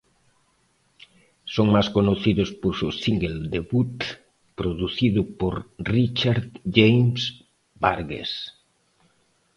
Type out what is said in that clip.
Son más conocidos por su single debut, producido por Richard James Burgess.